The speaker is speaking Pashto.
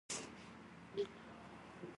ده ویل، ځکه سیکولر ؤ.